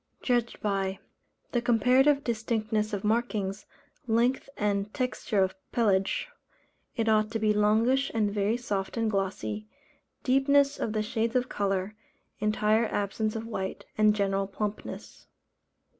Judged by: The comparative distinctness of markings, length and texture of pelage (it ought to be longish and very soft and glossy) deepness of the shades of colour, entire absence of white, and general plumpness.